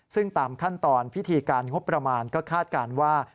ซึ่งตามขั้นตอนพิธีการงบประมาณก็คาดการณ์ว่า